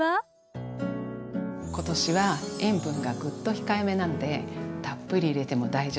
今年は塩分がぐっと控えめなのでたっぷり入れても大丈夫。